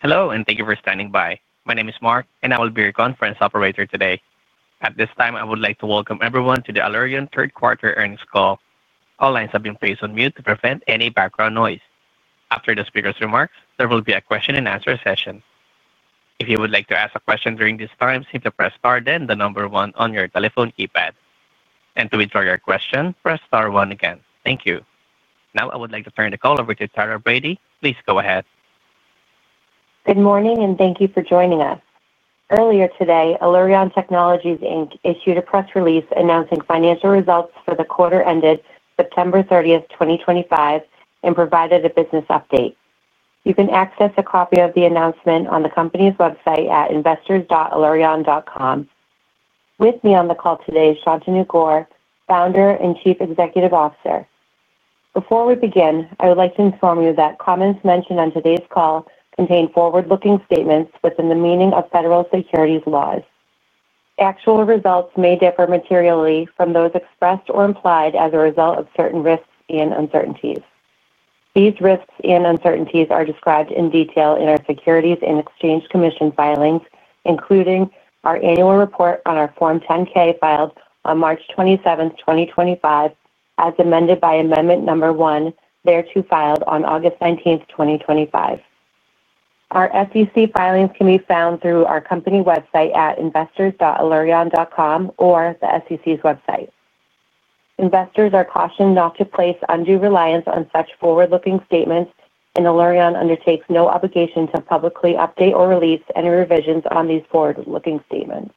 Hello, and thank you for standing by. My name is Mark, and I will be your conference operator today. At this time, I would like to welcome everyone to the Allurion Third Quarter Earnings Call. All lines have been placed on mute to prevent any background noise. After the speaker's remarks, there will be a question-and-answer session. If you would like to ask a question during this time, simply press star then the number one on your telephone keypad. To withdraw your question, press star one again. Thank you. Now, I would like to turn the call over to Tara Brady. Please go ahead. Good morning, and thank you for joining us. Earlier today, Allurion Technologies issued a Press Release announcing Financial Results for the quarter ended September 30th, 2025, and provided a Business Update. You can access a copy of the announcement on the company's website at investors.allurion.com. With me on the call today is Shantanu Gaur, Founder and Chief Executive Officer. Before we begin, I would like to inform you that comments mentioned on today's call contain Forward-Looking Statements within the meaning of Federal Securities Laws. Actual results may differ materially from those expressed or implied as a result of certain Risks and Uncertainties. These Risks and Uncertainties are described in detail in our Securities and Exchange Commission Filings, including our annual report on our Form 10-K filed on March 27, 2025, as amended by Amendment Number 1, thereto filed on August 19th, 2025. Our SEC Filings can be found through our company website at investors.allurion.com or the SEC's Website. Investors are cautioned not to place undue reliance on such Forward-Looking Statements, and Allurion undertakes no obligation to publicly update or release any revisions on these Forward-Looking Statements.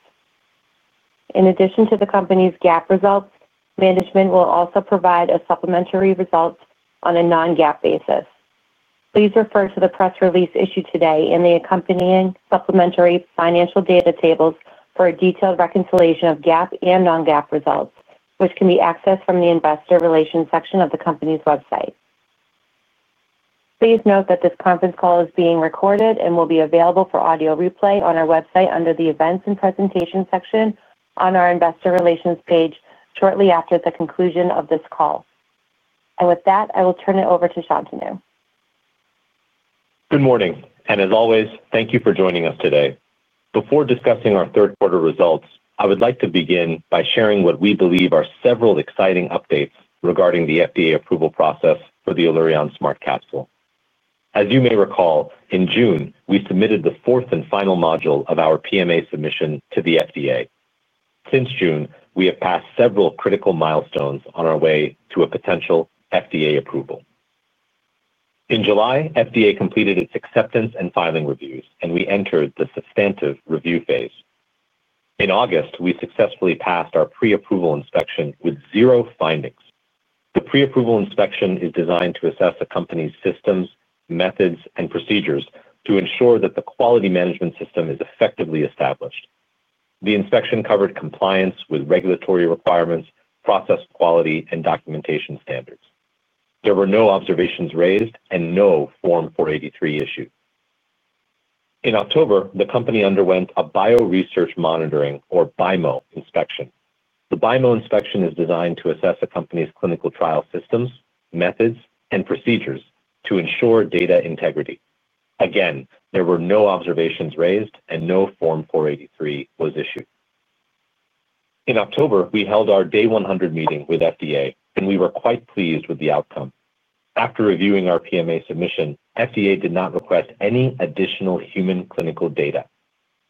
In addition to the company's GAAP Results, management will also provide supplementary results on a non-GAAP basis. Please refer to the Press Release issued today and the accompanying supplementary Financial Data tables for a detailed reconciliation of GAAP and non-GAAP Results, which can be accessed from the Investor Relations section of the company's website. Please note that this conference call is being recorded and will be available for audio replay on our website under the events and presentation section on our investor relations page shortly after the conclusion of this call. I will turn it over to Shantanu. Good morning, and as always, thank you for joining us today. Before discussing our third-quarter results, I would like to begin by sharing what we believe are several exciting updates regarding the FDA Approval Process for the Allurion Smart Capsule. As you may recall, in June, we submitted the fourth and Final Module of our PMA submission to the FDA. Since June, we have passed several Critical Milestones on our way to a potential FDA approval. In July, FDA completed its acceptance and filing reviews, and we entered the substantive review phase. In August, we successfully passed our pre-approval inspection with Zero Findings. The pre-approval inspection is designed to assess a company's Systems, Methods, and Procedures to ensure that the Quality Management System is effectively established. The inspection covered compliance with Regulatory Requirements, Process Quality, and Documentation Standards. There were no observations raised and no Form 483 issued. In October, the company underwent a Bioresearch Monitoring, or BIMO, Inspection. The BIMO Inspection is designed to assess a company's clinical trial Systems, Methods, and Procedures to ensure Sata Integrity. Again, there were no observations raised and no Form 483 was issued. In October, we held our Day 100 Meeting with FDA, and we were quite pleased with the outcome. After reviewing our PMA Submission, FDA did not request any additional Human Clinical Data.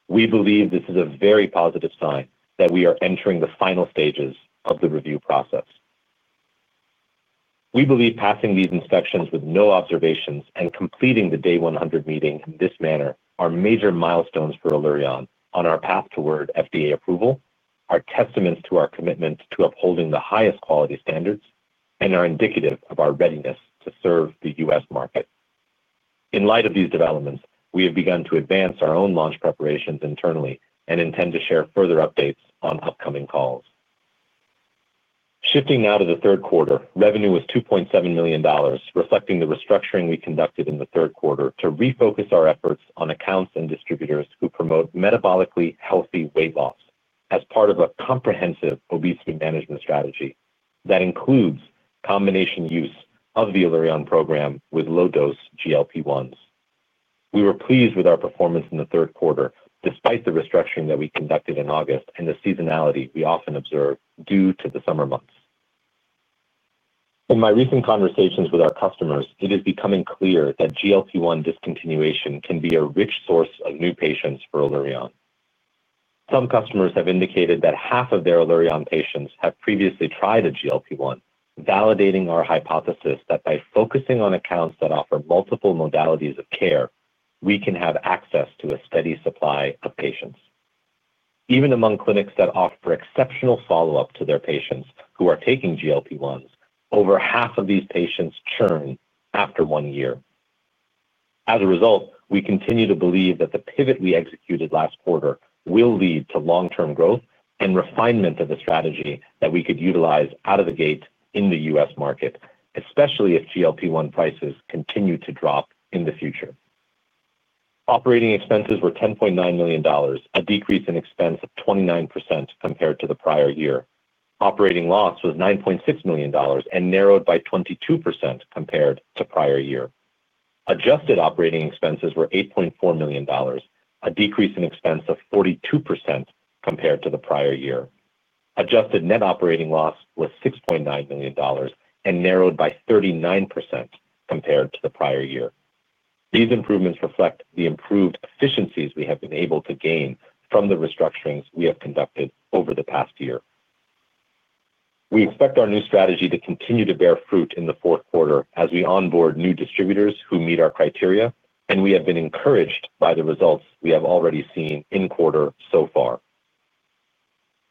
We believe this is a very positive sign that we are entering the Final Stages of the review process. We believe passing these inspections with no observations and completing the Day 100 Meeting in this manner are major milestones for Allurion on our path toward FDA approval, are testaments to our commitment to upholding the highest quality standards, and are indicative of our readiness to serve the U.S. Market. In light of these developments, we have begun to advance our own launch preparations internally and intend to share further updates on upcoming calls. Shifting now to the third quarter, revenue was $2.7 million, reflecting the restructuring we conducted in the third quarter to refocus our efforts on accounts and distributors who promote Metabolically Healthy Weight Loss as part of a comprehensive Obesity Management Strategy that includes combination use of the Allurion Program with low-dose GLP-1s. We were pleased with our performance in the third quarter despite the restructuring that we conducted in August and the seasonality we often observe due to the summer months. In my recent conversations with our customers, it is becoming clear that GLP-1 discontinuation can be a rich source of new patients for Allurion. Some customers have indicated that half of their Allurion patients have previously tried a GLP-1, validating our hypothesis that by focusing on accounts that offer Multiple Modalities of care, we can have access to a steady supply of patients. Even among clinics that offer exceptional follow-up to their patients who are taking GLP-1s, over half of these patients churn after one year. As a result, we continue to believe that the pivot we executed last quarter will lead to long-term growth and refinement of the strategy that we could utilize out of the gate in the U.S. market, especially if GLP-1 prices continue to drop in the future. Operating Expenses were $10.9 million, a decrease in expense of 29% compared to the prior year. Operating Loss was $9.6 million and narrowed by 22% compared to prior year. Adjusted Operating Expenses were $8.4 million, a decrease in expense of 42% compared to the prior year. Adjusted Net Operating Loss was $6.9 million and narrowed by 39% compared to the prior year. These improvements reflect the improved efficiencies we have been able to gain from the restructurings we have conducted over the past year. We expect our new strategy to continue to bear fruit in the fourth quarter as we onboard new distributors who meet our criteria, and we have been encouraged by the results we have already seen in quarter so far.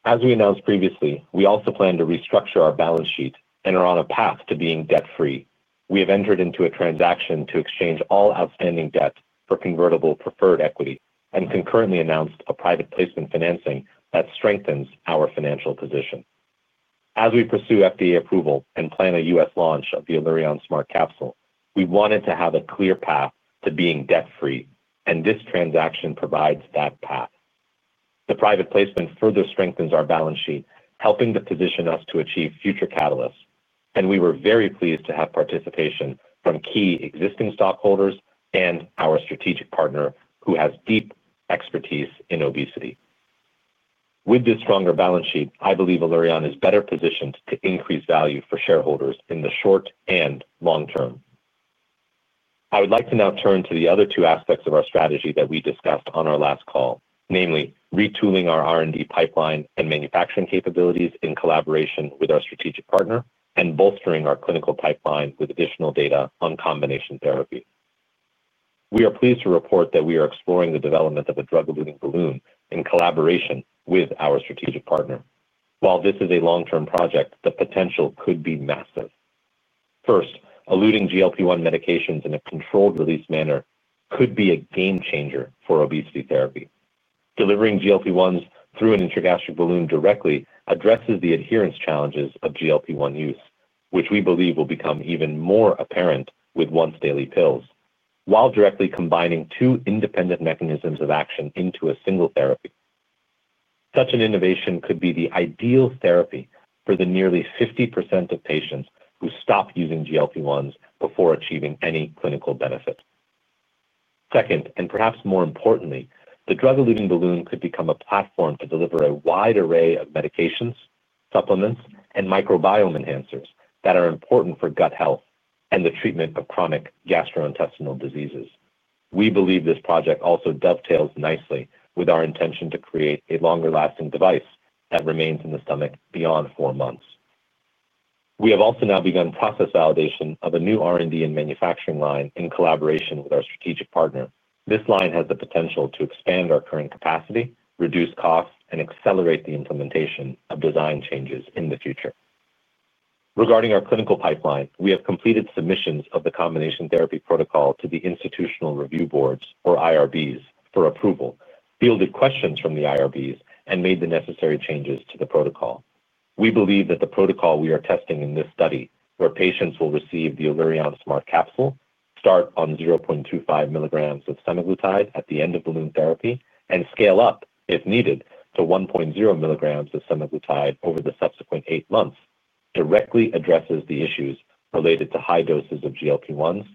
As we announced previously, we also plan to restructure our Balance Sheet and are on a path to being debt-free. We have entered into a transaction to exchange all outstanding debt for convertible preferred equity and concurrently announced a private placement financing that strengthens our financial position. As we pursue FDA approval and plan a U.S. Launch of the Allurion Smart Capsule, we wanted to have a clear path to being debt-free, and this transaction provides that path. The private placement further strengthens our Balance Sheet, helping to position us to achieve Future Catalysts, and we were very pleased to have participation from key existing Stockholders and our Strategic Partner who has deep expertise in Obesity. With this stronger Balance Sheet, I believe Allurion is better positioned to increase value for shareholders in the short and long term. I would like to now turn to the other two aspects of our strategy that we discussed on our last call, namely Retooling our R&D pipeline and Manufacturing Capabilities in collaboration with our Strategic Partner and bolstering our clinical pipeline with additional data on Combination Therapy. We are pleased to report that we are exploring the development of a Drug-Eluting Balloon in collaboration with our Strategic Partner. While this is a long-term project, the potential could be massive. First, Eluting GLP-1 Medications in a controlled-release manner could be a game-changer for Obesity Therapy. Delivering GLP-1s through an Intragastric Balloon directly addresses the adherence challenges of GLP-1 use, which we believe will become even more apparent with once-daily pills, while directly combining two independent mechanisms of action into a Single Therapy. Such an innovation could be the Ideal Therapy for the nearly 50% of patients who stop using GLP-1s before achieving any Clinical Benefit. Second, and perhaps more importantly, the Drug-Eluting Balloon could become a platform to deliver a wide array of Medications, Supplements, and Microbiome Enhancers that are important for Gut Health and the treatment of Chronic Gastrointestinal Diseases. We believe this project also dovetails nicely with our intention to create a longer-lasting device that remains in the stomach beyond four months. We have also now begun process validation of a new R&D and manufacturing line in collaboration with our Strategic Partner. This line has the potential to expand our current Capacity, Reduce Costs, and Accelerate the Implementation of Design Changes in the future. Regarding our clinical pipeline, we have completed submissions of the Combination Therapy Protocol to the Institutional Review boards, or IRBs, for approval, fielded questions from the IRBs, and made the necessary changes to the Protocol. We believe that the Protocol we are testing in this study, where patients will receive the Allurion Smart Capsule, start on 0.25 mg of semaglutide at the end of balloon therapy and scale up, if needed, to 1.0 mg of semaglutide over the subsequent eight months, directly addresses the issues related to high doses of GLP-1s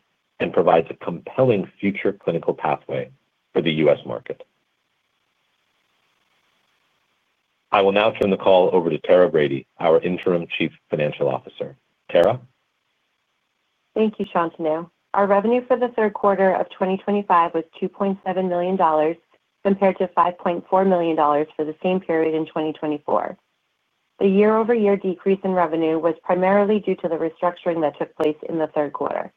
and provides a compelling future clinical pathway for the U.S. Market. I will now turn the call over to Tara Brady, our Interim Chief Financial Officer. Tara? Thank you, Shantanu. Our revenue for the third quarter of 2025 was $2.7 million compared to $5.4 million for the same period in 2024. The year-over-year decrease in revenue was primarily due to the restructuring that took place in the third quarter.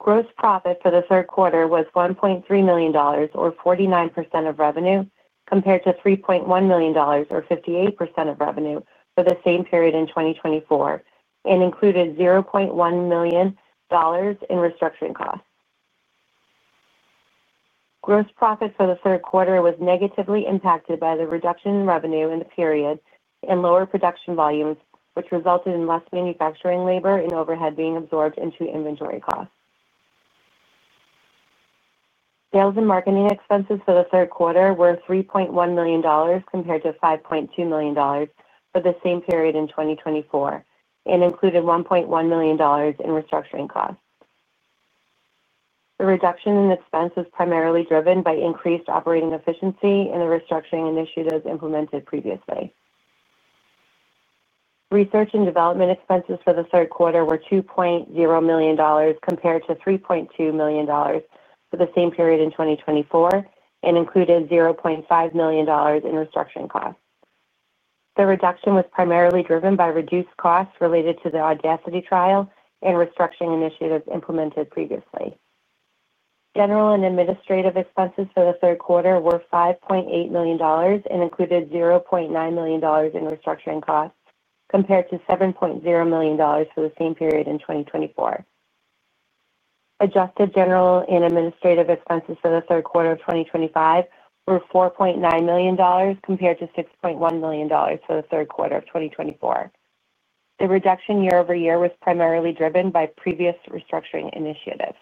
Gross Profit for the third quarter was $1.3 million, or 49% of revenue, compared to $3.1 million, or 58% of revenue, for the same period in 2024, and included $0.1 million in Restructuring Costs. Gross Profit for the third quarter was negatively impacted by the reduction in revenue in the period and lower production volumes, which resulted in less manufacturing labor and overhead being absorbed into Inventory Costs. Sales and Marketing Expenses for the third quarter were $3.1 million compared to $5.2 million for the same period in 2024 and included $1.1 million in Restructuring Costs. The reduction in expense was primarily driven by increased Operating Efficiency and the restructuring initiatives implemented previously. Research and Development Expenses for the third quarter were $2.0 million compared to $3.2 million for the same period in 2024 and included $0.5 million in Restructuring Costs. The reduction was primarily driven by Reduced Costs related to the Audacity trial and restructuring initiatives implemented previously. General and Administrative Expenses for the third quarter were $5.8 million and included $0.9 million in restructuring costs compared to $7.0 million for the same period in 2024. Adjusted general and administrative expenses for the third quarter of 2025 were $4.9 million compared to $6.1 million for the third quarter of 2024. The reduction year-over-year was primarily driven by previous restructuring initiatives.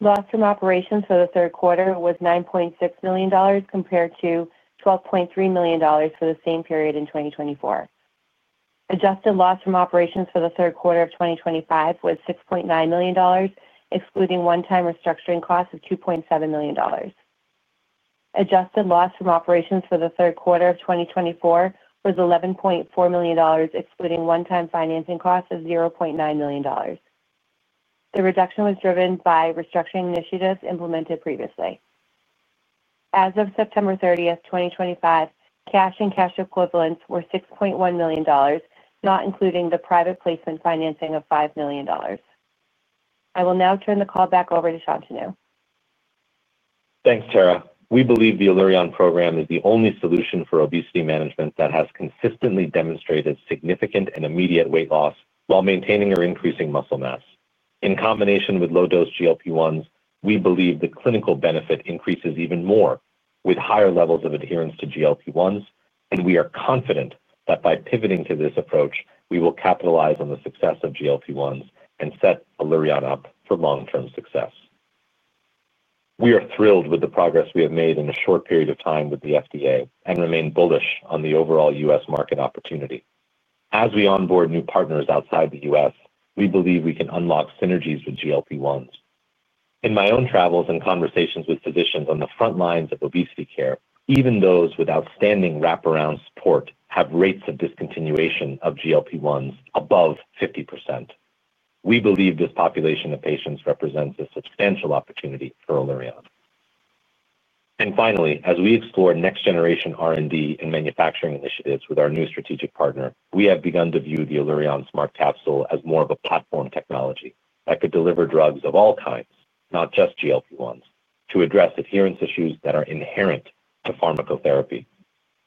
Loss from operations for the third quarter was $9.6 million compared to $12.3 million for the same period in 2024. Adjusted loss from operations for the third quarter of 2025 was $6.9 million, excluding one-time restructuring costs of $2.7 million. Adjusted loss from operations for the third quarter of 2024 was $11.4 million, excluding one-time financing costs of $0.9 million. The reduction was driven by restructuring initiatives implemented previously. As of September 30, 2025, cash and cash equivalents were $6.1 million, not including the private placement financing of $5 million. I will now turn the call back over to Shantanu. Thanks, Tara. We believe the Allurion program is the only solution for obesity management that has consistently demonstrated significant and immediate weight loss while maintaining or increasing Muscle Mass. In combination with low-dose GLP-1s, we believe the Clinical Benefit increases even more with higher levels of adherence to GLP-1s, and we are confident that by pivoting to this approach, we will capitalize on the success of GLP-1s and set Allurion up for long-term success. We are thrilled with the progress we have made in a short period of time with the FDA and remain bullish on the overall U.S. Market opportunity. As we onboard new partners outside the U.S., we believe we can unlock synergies with GLP-1s. In my own travels and conversations with physicians on the front lines of obesity care, even those with outstanding wraparound support have rates of discontinuation of GLP-1s above 50%. We believe this population of patients represents a substantial opportunity for Allurion. Finally, as we explore next-generation R&D and Manufacturing Initiatives with our new Strategic Partner, we have begun to view the Allurion Smart Capsule as more of a Platform Technology that could deliver drugs of all kinds, not just GLP-1s, to address adherence issues that are inherent to Pharmacotherapy.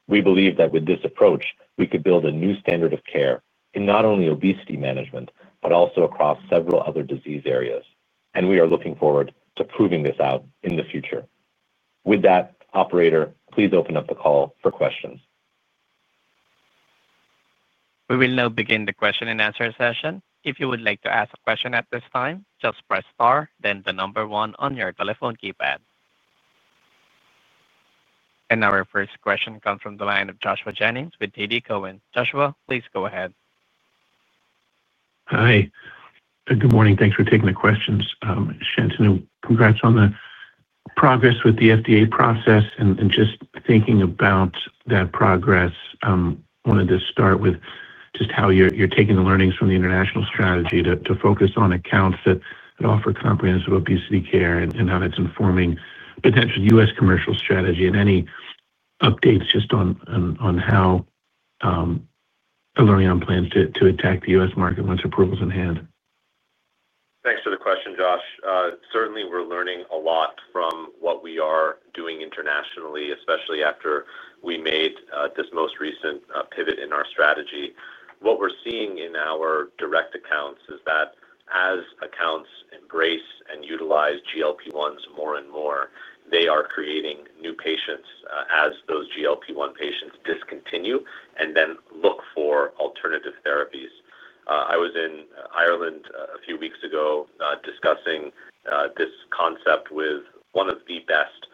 We believe that with this approach, we could build a new standard of care in not only Obesity Management but also across several other disease areas, and we are looking forward to proving this out in the future. With that, Operator, please open up the call for questions. We will now begin the question and answer session. If you would like to ask a question at this time, just press star, then the number one on your telephone keypad. Our first question comes from the line of Joshua Jennings with TD Cowen. Joshua, please go ahead. Hi. Good morning. Thanks for taking the questions. Shantanu, congrats on the progress with the FDA process. Just thinking about that progress, I wanted to start with just how you're taking the learnings from the international strategy to focus on accounts that offer Comprehensive Obesity Care and how that's informing potential U.S. Commercial Strategy and any updates just on how Allurion plans to attack the U.S. Market once approval's in hand. Thanks for the question, Josh. Certainly, we're learning a lot from what we are doing internationally, especially after we made this most recent pivot in our strategy. What we're seeing in our direct accounts is that as accounts embrace and utilize GLP-1s more and more, they are creating new patients as those GLP-1 patients discontinue and then look for alternative therapies. I was in Ireland a few weeks ago discussing this concept with one of the best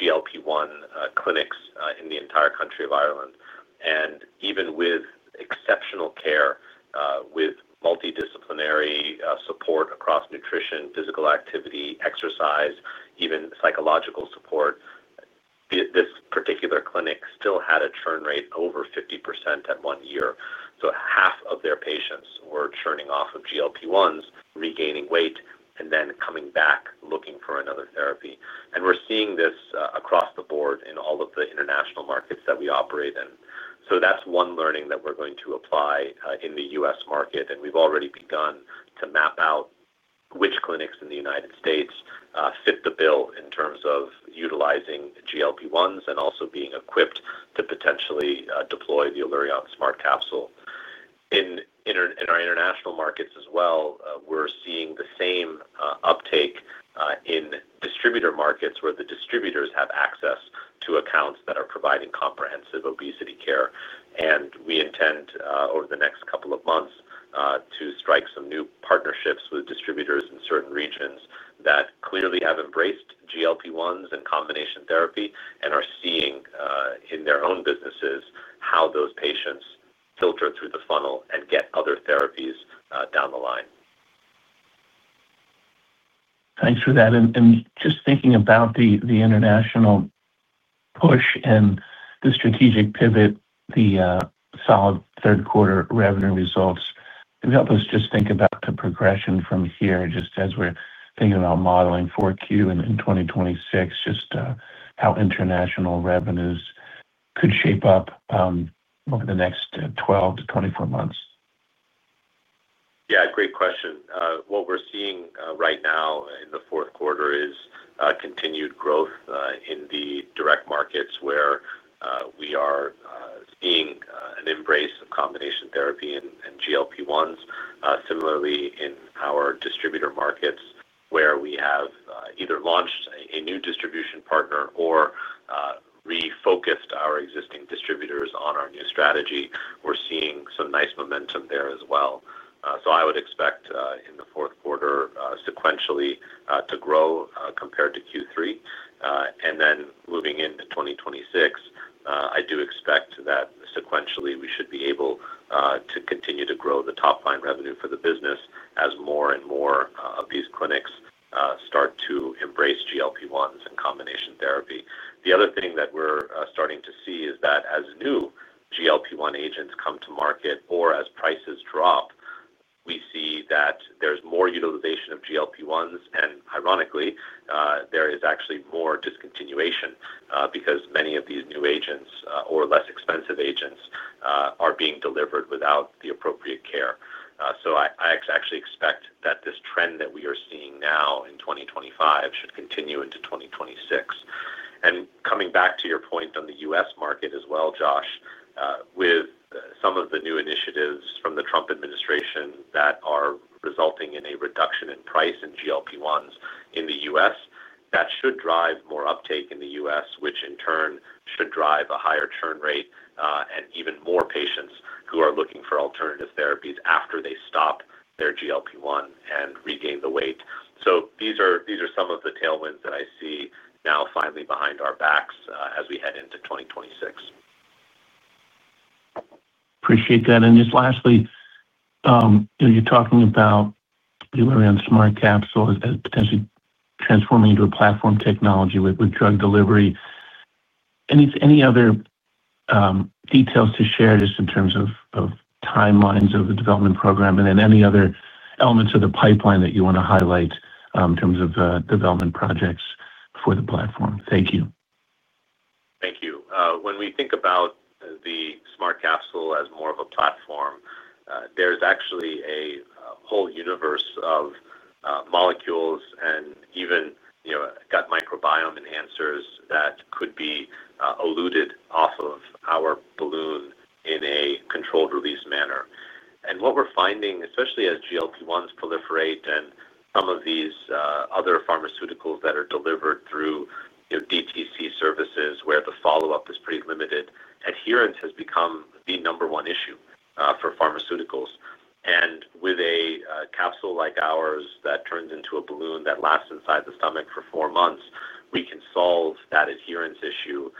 GLP-1 Clinics in the entire country of Ireland. Even with exceptional care, with multidisciplinary support across Nutrition, Physical Activity, Exercise, even Psychological Support, this particular clinic still had a churn rate over 50% at one year. Half of their patients were churning off of GLP-1s, regaining weight, and then coming back looking for another therapy. We are seeing this across the board in all of the International Markets that we operate in. That is one learning that we are going to apply in the U.S. Market, and we have already begun to map out which clinics in the United States fit the bill in terms of utilizing GLP-1s and also being equipped to potentially deploy the Allurion Smart Capsule. In our International Markets as well, we are seeing the same uptake in distributor markets where the distributors have access to accounts that are providing Comprehensive Obesity Care. We intend, over the next couple of months, to strike some new partnerships with distributors in certain regions that clearly have embraced GLP-1s and combination therapy and are seeing in their own businesses how those patients filter through the funnel and get other therapies down the line. Thanks for that. Just thinking about the international push and the Strategic Pivot, the solid third-quarter revenue results, help us just think about the progression from here just as we're thinking about modeling 4Q and 2026, just how international revenues could shape up over the next 12 to 24 months. Yeah, great question. What we're seeing right now in the fourth quarter is continued growth in the Direct Markets where we are seeing an embrace of combination therapy and GLP-1s. Similarly, in our Distributor Markets, where we have either launched a new Distribution Partner or refocused our existing distributors on our new strategy, we're seeing some nice momentum there as well. I would expect in the fourth quarter sequentially to grow compared to Q3. Moving into 2026, I do expect that sequentially we should be able to continue to grow the top-line revenue for the business as more and more of these clinics start to embrace GLP-1s and Combination Therapy. The other thing that we're starting to see is that as new GLP-1 Agents come to market or as prices drop, we see that there's more utilization of GLP-1s, and ironically, there is actually more discontinuation because many of these new agents or less expensive agents are being delivered without the appropriate care. I actually expect that this trend that we are seeing now in 2025 should continue into 2026. Coming back to your point on the U.S. Market as well, Josh, with some of the new initiatives from the Trump Administration that are resulting in a reduction in price in GLP-1s in the U.S., that should drive more uptake in the U.S., which in turn should drive a higher churn rate and even more patients who are looking for alternative therapies after they stop their GLP-1 and regain the weight. These are some of the tailwinds that I see now finally behind our backs as we head into 2026. Appreciate that. Just lastly, you're talking about the Allurion Smart Capsule as potentially transforming into a platform technology with drug delivery. Any other details to share just in terms of timelines of the development program and then any other elements of the pipeline that you want to highlight in terms of development projects for the platform? Thank you. Thank you. When we think about the Smart Capsule as more of a platform, there's actually a whole universe of molecules and even Gut Microbiome Enhancers that could be eluted off of our Balloon in a Controlled-Release Manner. What we're finding, especially as GLP-1s proliferate and some of these other Pharmaceuticals that are delivered through DTC Services where the follow-up is pretty limited, adherence has become the number one issue for Pharmaceuticals. With a Capsule like ours that turns into a Balloon that lasts inside the stomach for four months, we can solve that adherence issue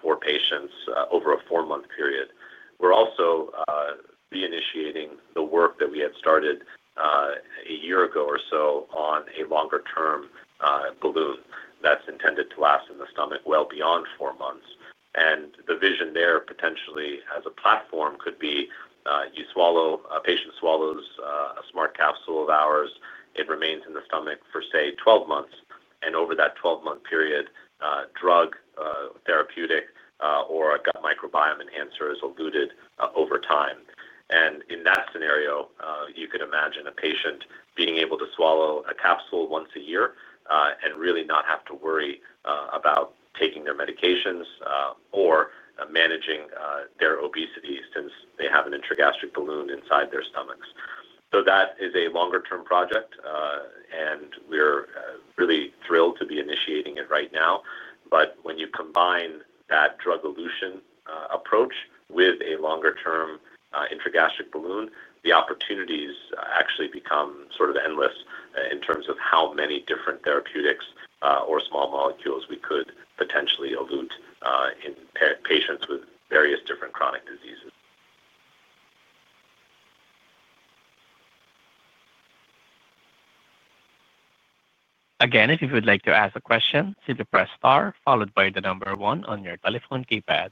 for patients over a four-month period. We're also reinitiating the work that we had started a year ago or so on a longer-term Balloon that's intended to last in the stomach well beyond four months. The vision there potentially as a platform could be you swallow, a patient swallows a Smart Capsule of ours, it remains in the stomach for, say, 12 months. Over that 12-month period, Drug, Therapeutic, or a Gut Microbiome Enhancer is eluted over time. In that scenario, you could imagine a patient being able to swallow a capsule once a year and really not have to worry about taking their medications or managing their Obesity since they have an Intragastric Balloon inside their stomachs. That is a longer-term project, and we're really thrilled to be initiating it right now. When you combine that drug-elution approach with a longer-term Intragastric Balloon, the opportunities actually become sort of endless in terms of how many different therapeutics or small molecules we could potentially elute in patients with various different Chronic Diseases. Again, if you would like to ask a question, simply press star followed by the number one on your telephone keypad.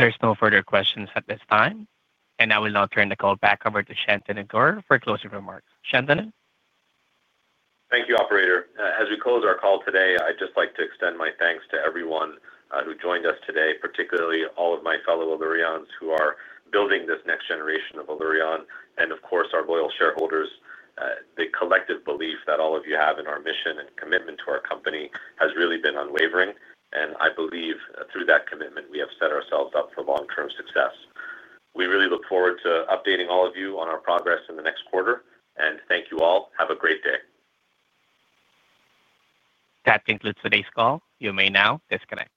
There are no further questions at this time, and I will now turn the call back over to Shantanu Gaur for closing remarks. Shantanu? Thank you, Operator. As we close our call today, I'd just like to extend my thanks to everyone who joined us today, particularly all of my fellow Allurions who are building this next generation of Allurion. Of course, our loyal shareholders, the collective belief that all of you have in our mission and commitment to our company has really been unwavering. I believe through that commitment, we have set ourselves up for long-term success. We really look forward to updating all of you on our progress in the next quarter. Thank you all. Have a great day. That concludes today's call. You may now disconnect.